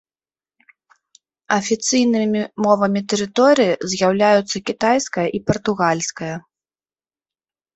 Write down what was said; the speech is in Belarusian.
Афіцыйнымі мовамі тэрыторыі з'яўляюцца кітайская і партугальская.